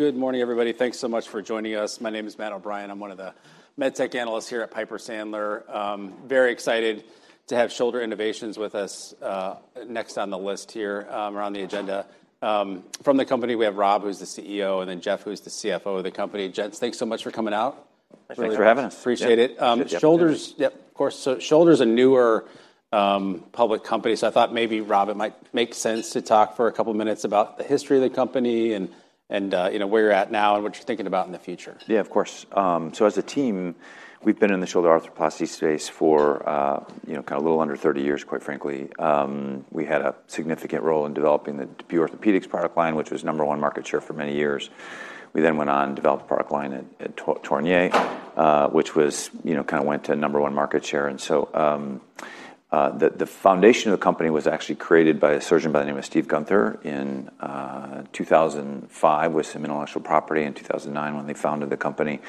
Good morning, everybody. Thanks so much for joining us. My name is Matt O'Brien. I'm one of the medtech analysts here at Piper Sandler. Very excited to have Shoulder Innovations with us next on the list here around the agenda. From the company, we have Rob, who's the CEO, and then Jeff, who's the CFO of the company. Gents, thanks so much for coming out. Thanks for having us. Appreciate it. Shoulder is, yep, of course. Shoulder is a newer public company, so I thought maybe, Rob, it might make sense to talk for a couple of minutes about the history of the company and where you're at now and what you're thinking about in the future. Yeah, of course, so as a team, we've been in the shoulder arthroplasty space for kind of a little under 30 years, quite frankly. We had a significant role in developing the DePuy Orthopaedics product line, which was number one market share for many years. We then went on and developed a product line at Tornier, which kind of went to number one market share. And so the foundation of the company was actually created by a surgeon by the name of Steve Gunther in 2005 with some intellectual property in 2009 when they founded the company.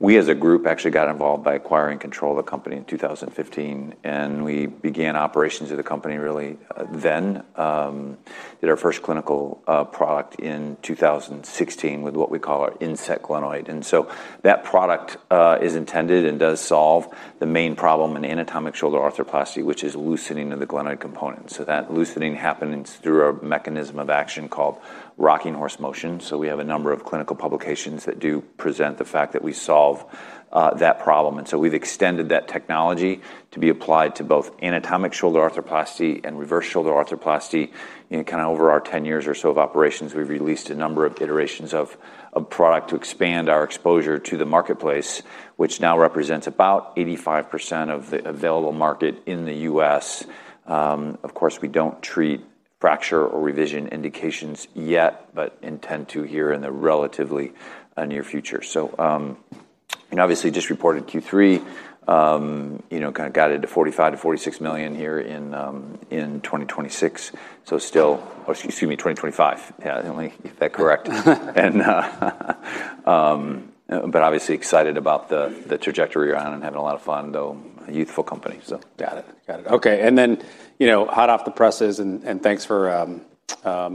We, as a group, actually got involved by acquiring control of the company in 2015. And we began operations of the company really then, did our first clinical product in 2016 with what we call our InSet glenoid. That product is intended and does solve the main problem in anatomic shoulder arthroplasty, which is loosening of the glenoid component. So that loosening happens through a mechanism of action called rocking horse motion. We have a number of clinical publications that do present the fact that we solve that problem. We've extended that technology to be applied to both anatomic shoulder arthroplasty and reverse shoulder arthroplasty. Over our 10 years or so of operations, we've released a number of iterations of product to expand our exposure to the marketplace, which now represents about 85% of the available market in the U.S. Of course, we don't treat fracture or revision indications yet, but intend to here in the relatively near future. Obviously, just reported Q3, kind of guided to $45 million-$46 million here in 2026. Still, excuse me, 2025. Yeah, I didn't want to get that correct. But obviously excited about the trajectory we're on and having a lot of fun, though a youthful company. Got it. Got it. Okay. And then hot off the presses, and thanks for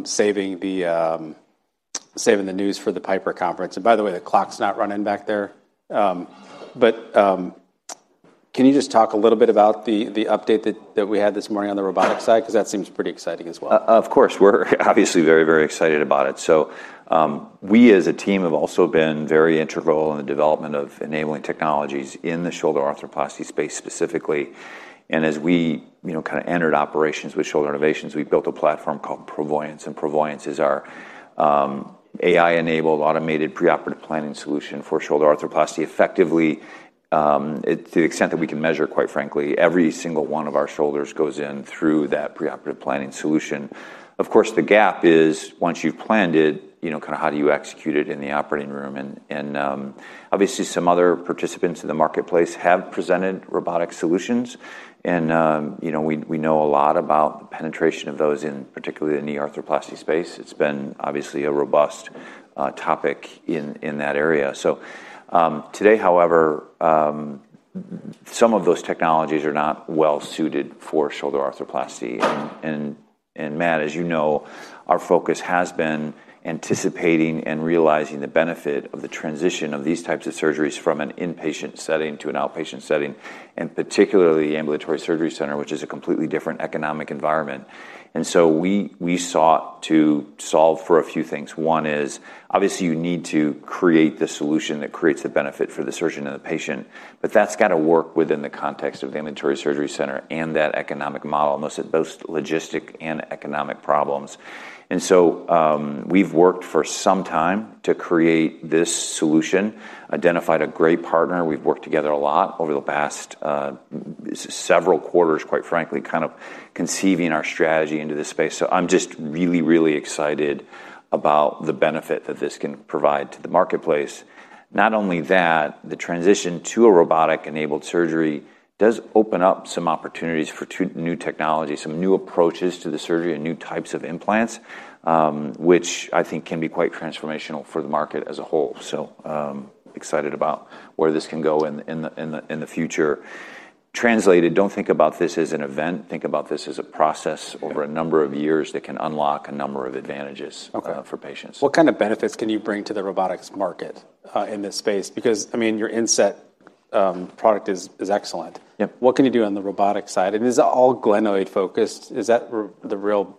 saving the news for the Piper Sandler Conference. And by the way, the clock's not running back there. But can you just talk a little bit about the update that we had this morning on the robotic side? Because that seems pretty exciting as well. Of course. We're obviously very, very excited about it. So we, as a team, have also been very integral in the development of enabling technologies in the shoulder arthroplasty space specifically. And as we kind of entered operations with Shoulder Innovations, we built a platform called ProVoyance. And ProVoyance is our AI-enabled automated preoperative planning solution for shoulder arthroplasty effectively to the extent that we can measure, quite frankly, every single one of our shoulders goes in through that preoperative planning solution. Of course, the gap is once you've planned it, kind of how do you execute it in the operating room? And obviously, some other participants in the marketplace have presented robotic solutions. And we know a lot about the penetration of those in particularly the knee arthroplasty space. It's been obviously a robust topic in that area. So today, however, some of those technologies are not well suited for shoulder arthroplasty. And Matt, as you know, our focus has been anticipating and realizing the benefit of the transition of these types of surgeries from an inpatient setting to an outpatient setting, and particularly the ambulatory surgery center, which is a completely different economic environment. And so we sought to solve for a few things. One is, obviously, you need to create the solution that creates the benefit for the surgeon and the patient. But that's got to work within the context of the ambulatory surgery center and that economic model, mostly both logistic and economic problems. And so we've worked for some time to create this solution, identified a great partner. We've worked together a lot over the past several quarters, quite frankly, kind of conceiving our strategy into this space. So I'm just really, really excited about the benefit that this can provide to the marketplace. Not only that, the transition to a robotic-enabled surgery does open up some opportunities for new technology, some new approaches to the surgery, and new types of implants, which I think can be quite transformational for the market as a whole. So excited about where this can go in the future. That said, don't think about this as an event. Think about this as a process over a number of years that can unlock a number of advantages for patients. What kind of benefits can you bring to the robotics market in this space? Because, I mean, your InSet product is excellent. What can you do on the robotic side? And is it all glenoid focused? Is that the real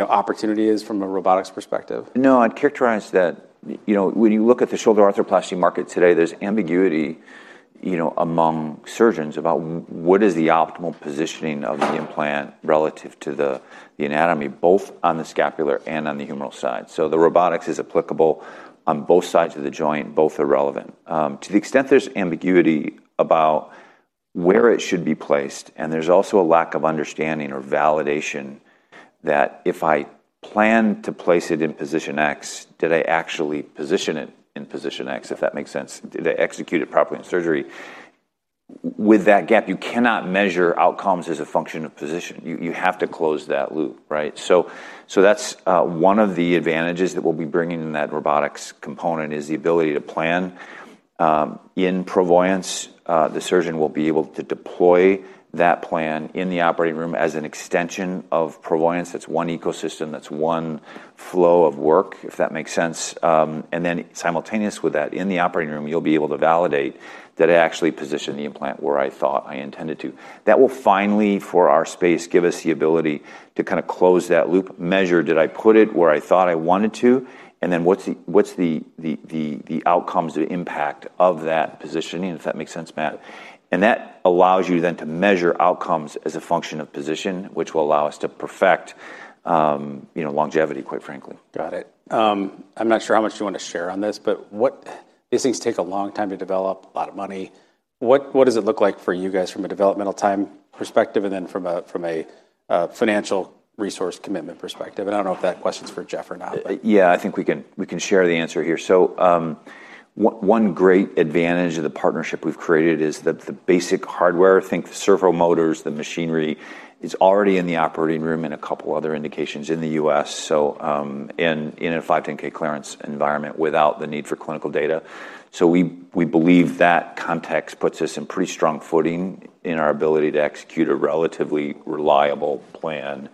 opportunity is from a robotics perspective? No, I'd characterize that when you look at the shoulder arthroplasty market today, there's ambiguity among surgeons about what is the optimal positioning of the implant relative to the anatomy, both on the scapular and on the humeral side. So the robotics is applicable on both sides of the joint, both are relevant. To the extent there's ambiguity about where it should be placed, and there's also a lack of understanding or validation that if I plan to place it in position X, did I actually position it in position X, if that makes sense? Did I execute it properly in surgery? With that gap, you cannot measure outcomes as a function of position. You have to close that loop, right? So that's one of the advantages that we'll be bringing in that robotics component is the ability to plan in ProVoyance. The surgeon will be able to deploy that plan in the operating room as an extension of ProVoyance. That's one ecosystem. That's one flow of work, if that makes sense. And then simultaneous with that, in the operating room, you'll be able to validate that I actually positioned the implant where I thought I intended to. That will finally, for our space, give us the ability to kind of close that loop, measure, did I put it where I thought I wanted to? And then what's the outcomes of impact of that positioning, if that makes sense, Matt? And that allows you then to measure outcomes as a function of position, which will allow us to perfect longevity, quite frankly. Got it. I'm not sure how much you want to share on this, but these things take a long time to develop, a lot of money. What does it look like for you guys from a developmental time perspective and then from a financial resource commitment perspective? And I don't know if that question's for Jeff or not. Yeah, I think we can share the answer here. So one great advantage of the partnership we've created is that the basic hardware, I think the servo motors, the machinery is already in the operating room and a couple other indications in the U.S., and in a 510(k) clearance environment without the need for clinical data. So we believe that context puts us in pretty strong footing in our ability to execute a relatively reliable plan.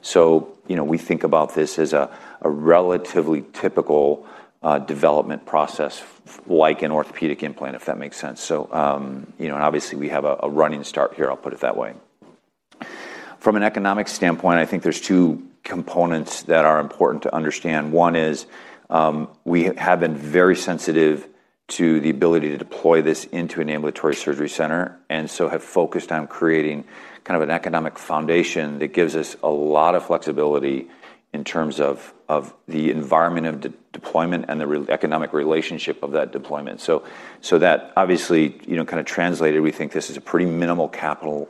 So we think about this as a relatively typical development process like an orthopedic implant, if that makes sense. And obviously, we have a running start here, I'll put it that way. From an economic standpoint, I think there's two components that are important to understand. One is we have been very sensitive to the ability to deploy this into an ambulatory surgery center and so have focused on creating kind of an economic foundation that gives us a lot of flexibility in terms of the environment of deployment and the economic relationship of that deployment. So that obviously kind of translated, we think this is a pretty minimal capital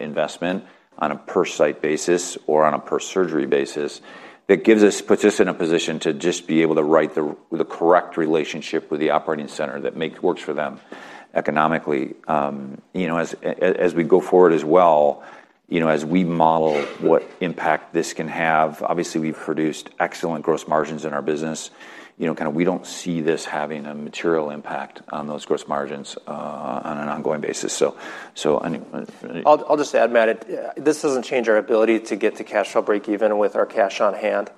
investment on a per-site basis or on a per-surgery basis that puts us in a position to just be able to write the correct relationship with the operating center that works for them economically. As we go forward as well, as we model what impact this can have, obviously, we've produced excellent gross margins in our business. Kind of we don't see this having a material impact on those gross margins on an ongoing basis. I'll just add, Matt, this doesn't change our ability to get to cash flow break-even with our cash on hand.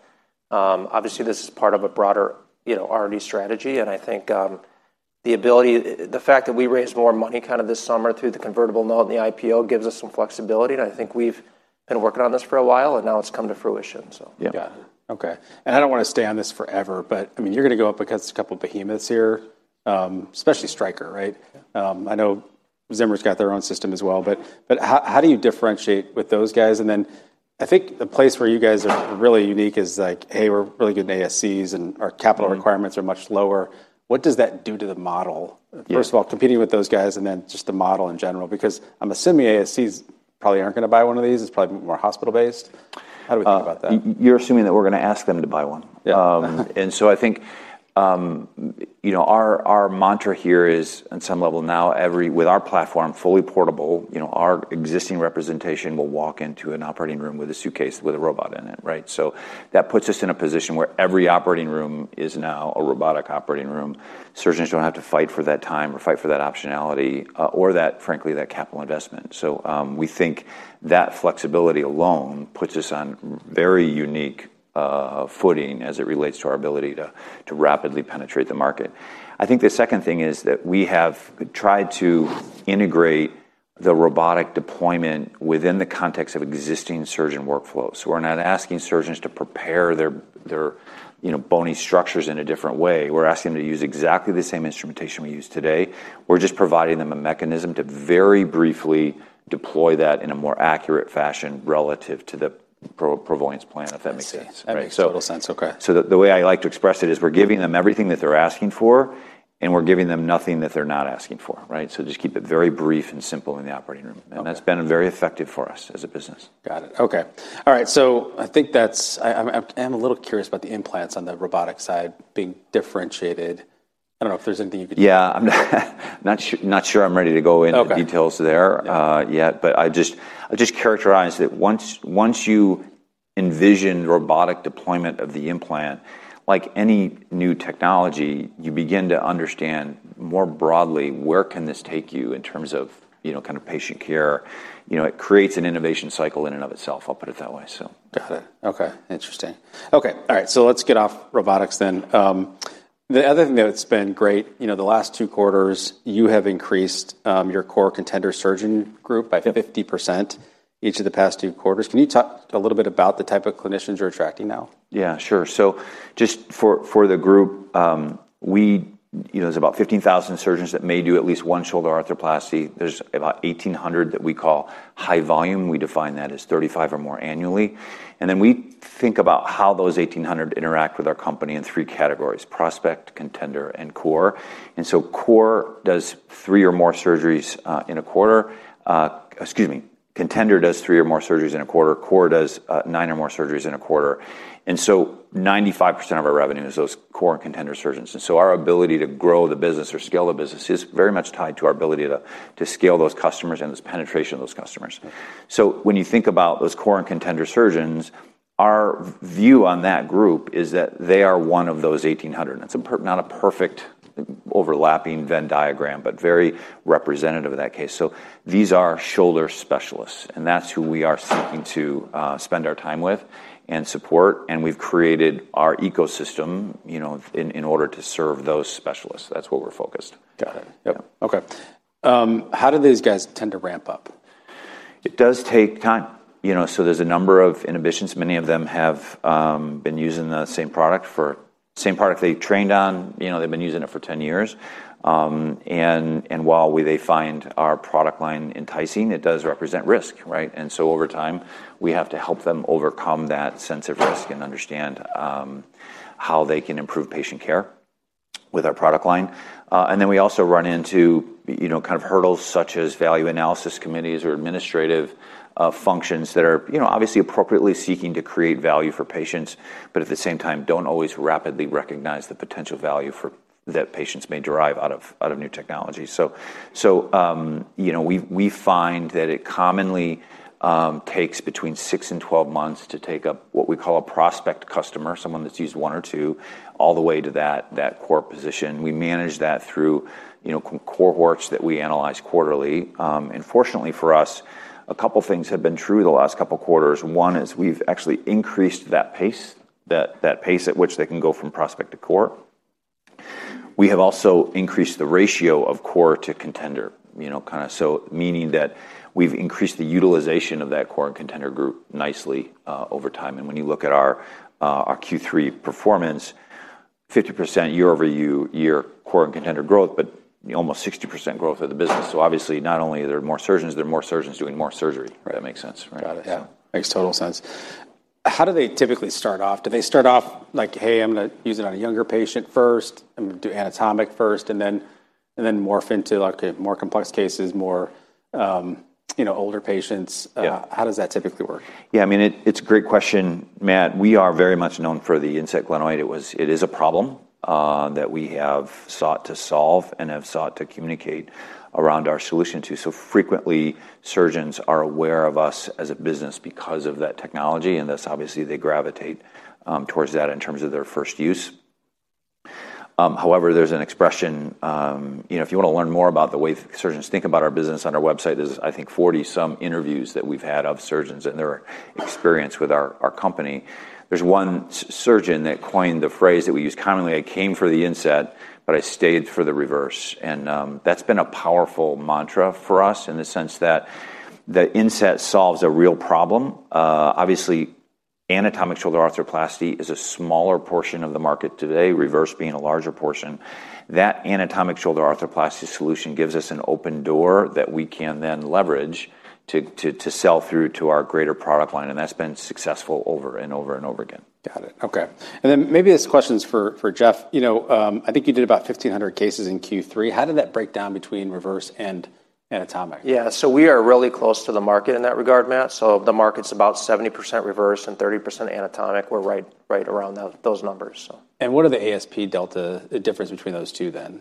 Obviously, this is part of a broader R&D strategy. And I think the ability, the fact that we raised more money kind of this summer through the convertible note and the IPO gives us some flexibility. And I think we've been working on this for a while, and now it's come to fruition. Yeah. Okay. And I don't want to stay on this forever, but I mean, you're going to go up against a couple of behemoths here, especially Stryker, right? I know Zimmer's got their own system as well. But how do you differentiate with those guys? And then I think the place where you guys are really unique is like, hey, we're really good in ASCs and our capital requirements are much lower. What does that do to the model? First of all, competing with those guys and then just the model in general. Because I'm assuming ASCs probably aren't going to buy one of these. It's probably more hospital-based. How do we think about that? You're assuming that we're going to ask them to buy one. Yeah. And so I think our mantra here is, on some level now, with our platform fully portable, our existing representation will walk into an operating room with a suitcase with a robot in it, right? So that puts us in a position where every operating room is now a robotic operating room. Surgeons don't have to fight for that time or fight for that optionality or, frankly, that capital investment. So we think that flexibility alone puts us on very unique footing as it relates to our ability to rapidly penetrate the market. I think the second thing is that we have tried to integrate the robotic deployment within the context of existing surgeon workflows. So we're not asking surgeons to prepare their bony structures in a different way. We're asking them to use exactly the same instrumentation we use today. We're just providing them a mechanism to very briefly deploy that in a more accurate fashion relative to the ProVoyance plan, if that makes sense. That makes total sense. Okay. So the way I like to express it is we're giving them everything that they're asking for, and we're giving them nothing that they're not asking for, right? So just keep it very brief and simple in the operating room, and that's been very effective for us as a business. Got it. Okay. All right. So I think I'm a little curious about the implants on the robotic side being differentiated. I don't know if there's anything you could. Yeah. I'm not sure I'm ready to go into details there yet, but I just characterize that once you envision robotic deployment of the implant, like any new technology, you begin to understand more broadly where can this take you in terms of kind of patient care. It creates an innovation cycle in and of itself, I'll put it that way, so. Got it. Okay. Interesting. Okay. All right. So let's get off robotics then. The other thing that's been great, the last two quarters, you have increased your Core Contender surgeon group by 50% each of the past two quarters. Can you talk a little bit about the type of clinicians you're attracting now? Yeah, sure. So just for the group, there's about 15,000 surgeons that may do at least one shoulder arthroplasty. There's about 1,800 that we call high volume. We define that as 35 or more annually. And then we think about how those 1,800 interact with our company in three categories: prospect, contender, and core. And so core does three or more surgeries in a quarter. Excuse me. Contender does three or more surgeries in a quarter. Core does nine or more surgeries in a quarter. And so 95% of our revenue is those core and contender surgeons. And so our ability to grow the business or scale the business is very much tied to our ability to scale those customers and this penetration of those customers. So when you think about those core and contender surgeons, our view on that group is that they are one of those 1,800. It's not a perfect overlapping Venn diagram, but very representative of that case. So these are shoulder specialists. And that's who we are seeking to spend our time with and support. And we've created our ecosystem in order to serve those specialists. That's what we're focused. Got it. Yep. Okay. How do these guys tend to ramp up? It does take time, so there's a number of inhibitions. Many of them have been using the same product they trained on. They've been using it for 10 years, and while they find our product line enticing, it does represent risk, right, and so over time, we have to help them overcome that sense of risk and understand how they can improve patient care with our product line, and then we also run into kind of hurdles such as Value Analysis Committees or administrative functions that are obviously appropriately seeking to create value for patients, but at the same time don't always rapidly recognize the potential value that patients may derive out of new technology. So we find that it commonly takes between 6 and 12 months to take up what we call a prospect customer, someone that's used one or two, all the way to that core position. We manage that through cohorts that we analyze quarterly. And fortunately for us, a couple of things have been true the last couple of quarters. One is we've actually increased that pace, that pace at which they can go from prospect to core. We have also increased the ratio of core to contender, kind of so meaning that we've increased the utilization of that core and contender group nicely over time. And when you look at our Q3 performance, 50% year-over-year core and contender growth, but almost 60% growth of the business. So obviously, not only are there more surgeons, there are more surgeons doing more surgery, if that makes sense, right? Got it. Yeah. Makes total sense. How do they typically start off? Do they start off like, "Hey, I'm going to use it on a younger patient first. I'm going to do anatomic first," and then morph into more complex cases, more older patients? How does that typically work? Yeah. I mean, it's a great question, Matt. We are very much known for the InSet glenoid. It is a problem that we have sought to solve and have sought to communicate around our solution to. So frequently, surgeons are aware of us as a business because of that technology. And that's obviously they gravitate towards that in terms of their first use. However, there's an expression. If you want to learn more about the way surgeons think about our business, on our website is, I think, 40-some interviews that we've had of surgeons and their experience with our company. There's one surgeon that coined the phrase that we use commonly, "I came for the InSet, but I stayed for the reverse." And that's been a powerful mantra for us in the sense that the InSet solves a real problem. Obviously, Anatomic shoulder arthroplasty is a smaller portion of the market today, Reverse being a larger portion. That Anatomic shoulder arthroplasty solution gives us an open door that we can then leverage to sell through to our greater product line. And that's been successful over and over and over again. Got it. Okay. And then maybe this question's for Jeff. I think you did about 1,500 cases in Q3. How did that break down between reverse and anatomic? Yeah. So we are really close to the market in that regard, Matt. So the market's about 70% reverse and 30% anatomic. We're right around those numbers, so. And what are the ASP delta difference between those two then?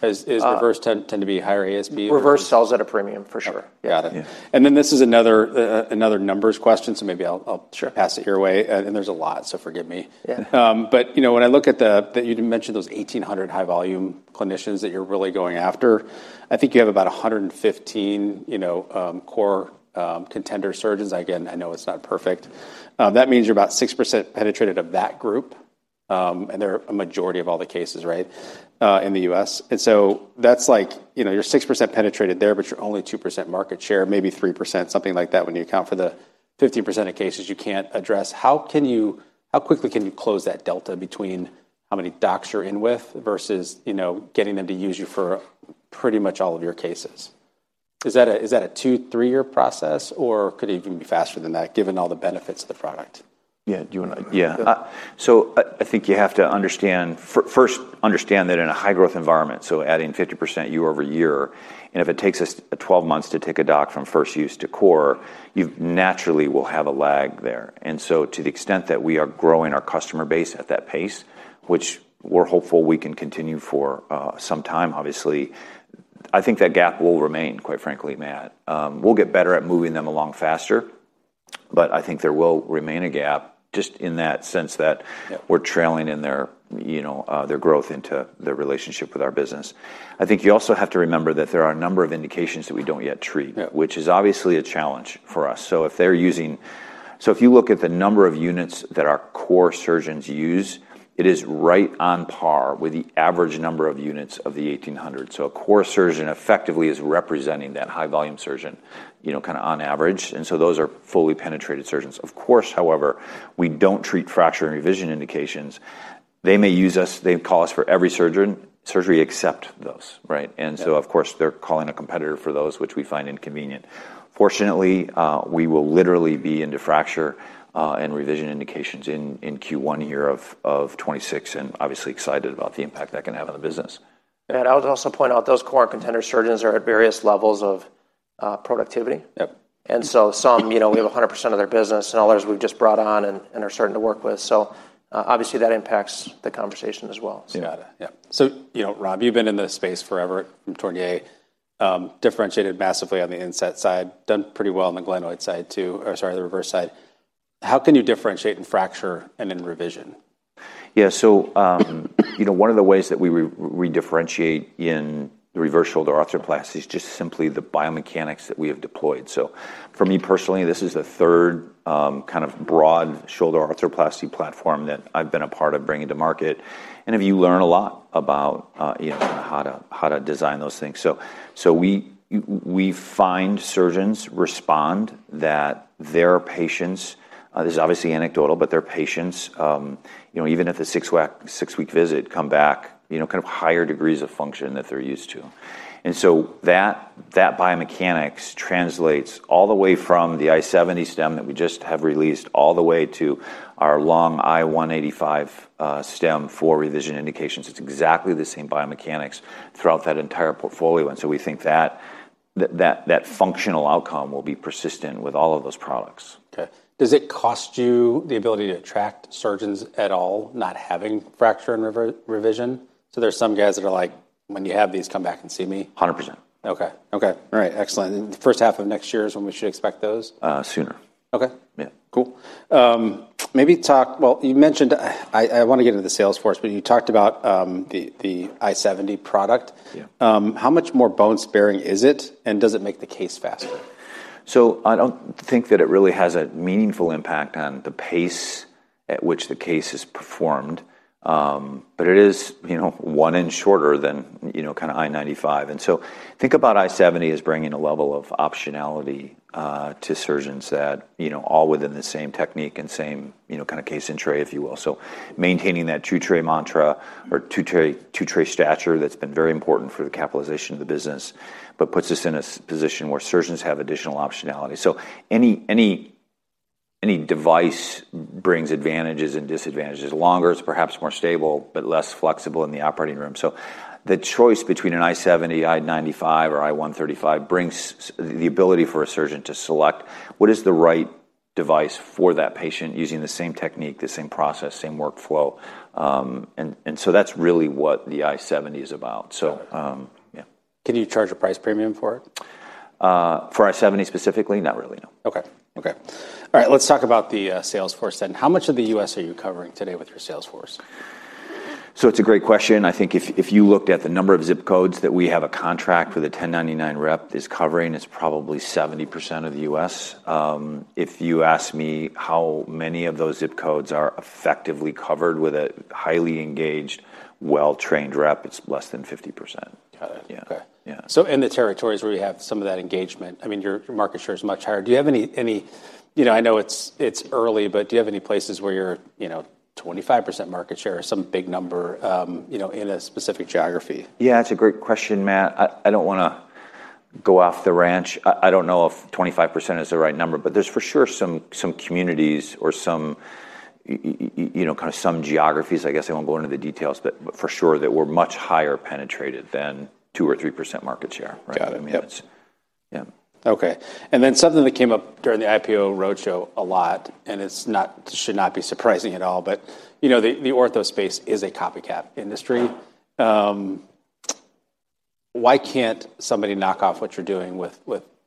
Does reverse tend to be higher ASP? Reverse sells at a premium, for sure. Got it. And then this is another numbers question, so maybe I'll pass it your way. And there's a lot, so forgive me. But when I look at you mentioned those 1,800 high-volume clinicians that you're really going after. I think you have about 115 core contender surgeons. Again, I know it's not perfect. That means you're about 6% penetrated of that group. And they're a majority of all the cases, right, in the U.S. And so that's like you're 6% penetrated there, but you're only 2% market share, maybe 3%, something like that. When you account for the 15% of cases you can't address, how quickly can you close that delta between how many docs you're in with versus getting them to use you for pretty much all of your cases? Is that a two, three-year process, or could it even be faster than that given all the benefits of the product? Yeah. Do you want to? Yeah. So I think you have to understand, first, understand that in a high-growth environment, so adding 50% year-over-year, and if it takes us 12 months to take a doc from first use to core, you naturally will have a lag there. And so to the extent that we are growing our customer base at that pace, which we're hopeful we can continue for some time, obviously, I think that gap will remain, quite frankly, Matt. We'll get better at moving them along faster, but I think there will remain a gap just in that sense that we're trailing in their growth into their relationship with our business. I think you also have to remember that there are a number of indications that we don't yet treat, which is obviously a challenge for us. So if you look at the number of units that our core surgeons use, it is right on par with the average number of units of the 1,800. So a core surgeon effectively is representing that high-volume surgeon kind of on average. And so those are fully penetrated surgeons. Of course, however, we don't treat fracture and revision indications. They may use us. They call us for every surgery except those, right? And so, of course, they're calling a competitor for those, which we find inconvenient. Fortunately, we will literally be into fracture and revision indications in Q1 of 2026 and obviously excited about the impact that can have on the business. I would also point out those Core and Contender surgeons are at various levels of productivity. Some, we have 100% of their business and others we've just brought on and are starting to work with. Obviously, that impacts the conversation as well. Got it. Yeah.So, Rob, you've been in this space forever. And Tornier differentiated massively on the InSet side. Done pretty well on the glenoid side too, or sorry, the reverse side. How can you differentiate in fracture and in revision? Yeah. So one of the ways that we redifferentiate in the reverse shoulder arthroplasty is just simply the biomechanics that we have deployed. So for me personally, this is the third kind of broad shoulder arthroplasty platform that I've been a part of bringing to market, and if you learn a lot about how to design those things. So we find surgeons respond that their patients. This is obviously anecdotal, but their patients, even at the six-week visit, come back kind of higher degrees of function than they're used to. And so that biomechanics translates all the way from the I70 stem that we just have released all the way to our long I185 stem for revision indications. It's exactly the same biomechanics throughout that entire portfolio. And so we think that that functional outcome will be persistent with all of those products. Okay. Does it cost you the ability to attract surgeons at all not having fracture and revision, so there's some guys that are like, "When you have these, come back and see me. 100%. Okay. All right. Excellent. The first half of next year is when we should expect those? Sooner. Okay. Yeah. Cool. Maybe talk. Well, you mentioned I want to get into the sales force, but you talked about the I70 product. How much more bone-sparing is it, and does it make the case faster? So, I don't think that it really has a meaningful impact on the pace at which the case is performed, but it is one inch shorter than kind of I95. And so, think about I70 as bringing a level of optionality to surgeons that all within the same technique and same kind of case entry, if you will. So, maintaining that two-tray mantra or two-tray stature that's been very important for the capitalization of the business, but puts us in a position where surgeons have additional optionality. So, any device brings advantages and disadvantages. Longer is perhaps more stable, but less flexible in the operating room. So, the choice between an I70, I95, or I135 brings the ability for a surgeon to select what is the right device for that patient using the same technique, the same process, same workflow. And so, that's really what the I70 is about. So yeah. Can you charge a price premium for it? For I70 specifically? Not really, no. Okay. All right. Let's talk about the sales force then. How much of the U.S. are you covering today with your sales force? So it's a great question. I think if you looked at the number of zip codes that we have a contract with a 1099 rep is covering, it's probably 70% of the U.S. If you ask me how many of those zip codes are effectively covered with a highly engaged, well-trained rep, it's less than 50%. Got it. Okay. So in the territories where you have some of that engagement, I mean, your market share is much higher. Do you have any? I know it's early, but do you have any places where you're 25% market share or some big number in a specific geography? Yeah. That's a great question, Matt. I don't want to go off the ranch. I don't know if 25% is the right number, but there's for sure some communities or kind of some geographies, I guess I won't go into the details, but for sure that we're much higher penetrated than 2% or 3% market share, right? Got it. I mean, that's yeah. Okay. And then something that came up during the IPO roadshow a lot, and it should not be surprising at all, but the ortho space is a copycat industry. Why can't somebody knock off what you're doing with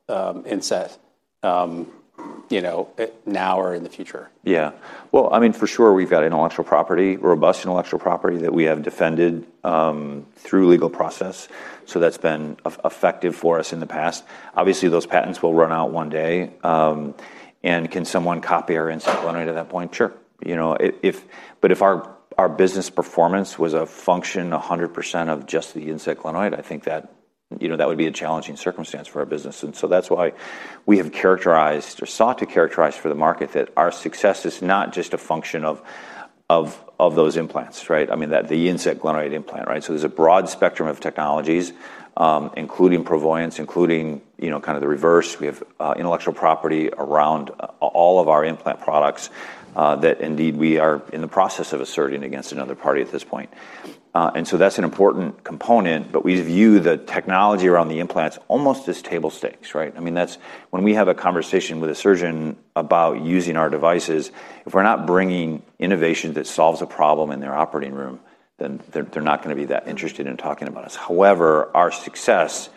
InSet now or in the future? Yeah. Well, I mean, for sure, we've got intellectual property, robust intellectual property that we have defended through legal process. So that's been effective for us in the past. Obviously, those patents will run out one day. And can someone copy our InSet glenoid at that point? Sure. But if our business performance was a function 100% of just the InSet glenoid, I think that would be a challenging circumstance for our business. And so that's why we have characterized or sought to characterize for the market that our success is not just a function of those implants, right? I mean, the InSet glenoid implant, right? So there's a broad spectrum of technologies, including ProVoyance, including kind of the reverse. We have intellectual property around all of our implant products that indeed we are in the process of asserting against another party at this point. That's an important component, but we view the technology around the implants almost as table stakes, right? I mean, when we have a conversation with a surgeon about using our devices, if we're not bringing innovation that solves a problem in their operating room, then they're not going to be that interested in talking about us. However, our success is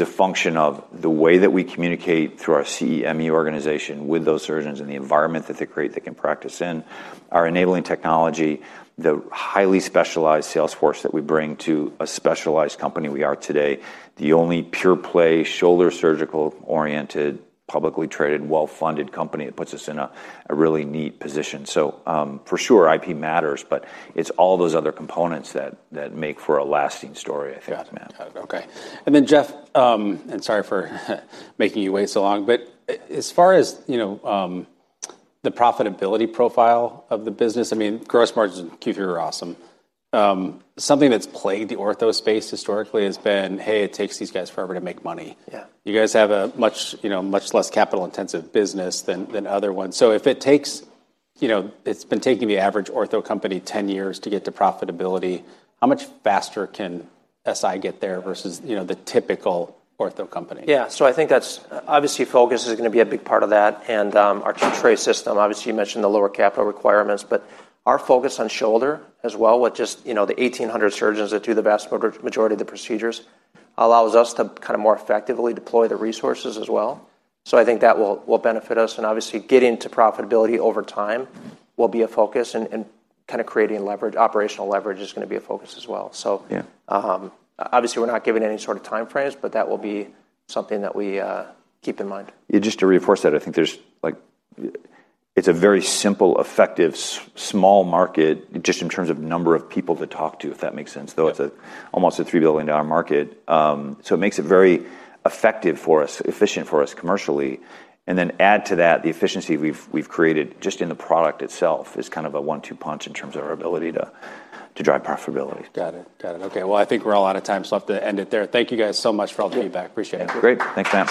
a function of the way that we communicate through our CEME organization with those surgeons and the environment that they create, they can practice in, our enabling technology, the highly specialized Salesforce that we bring to a specialized company we are today, the only pure play shoulder surgical-oriented, publicly traded, well-funded company that puts us in a really neat position. For sure, IP matters, but it's all those other components that make for a lasting story, I think, Matt. Got it. Okay, and then Jeff, and sorry for making you wait so long, but as far as the profitability profile of the business, I mean, gross margins in Q3 were awesome. Something that's plagued the ortho space historically has been, "Hey, it takes these guys forever to make money." You guys have a much less capital-intensive business than other ones. So if it takes it's been taking the average ortho company 10 years to get to profitability. How much faster can SI get there versus the typical ortho company? Yeah. So I think that's obviously focus is going to be a big part of that. And our two-tray system, obviously you mentioned the lower capital requirements, but our focus on shoulder as well with just the 1,800 surgeons that do the vast majority of the procedures allows us to kind of more effectively deploy the resources as well. So I think that will benefit us. And obviously, getting to profitability over time will be a focus, and kind of creating leverage, operational leverage is going to be a focus as well. So obviously, we're not giving any sort of time frames, but that will be something that we keep in mind. Yeah. Just to reinforce that, I think there's a very simple, effective, small market just in terms of number of people to talk to, if that makes sense, though it's almost a $3 billion market. So it makes it very effective for us, efficient for us commercially. And then add to that, the efficiency we've created just in the product itself is kind of a one-two punch in terms of our ability to drive profitability. Got it. Got it. Okay. I think we're all out of time, so I have to end it there. Thank you guys so much for all the feedback. Appreciate it. Great. Thanks, Matt.